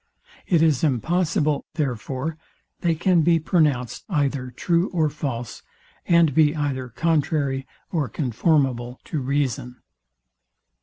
It is impossible, therefore, they can be pronounced either true or false, and be either contrary or conformable to reason.